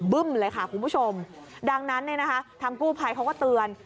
ึ้มเลยค่ะคุณผู้ชมดังนั้นเนี่ยนะคะทางกู้ภัยเขาก็เตือน